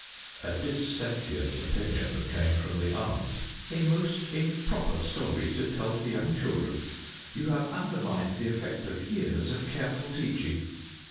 A dissentient opinion came from the aunt. "A most improper story to tell to young children! You have undermined the effect of years of careful teaching."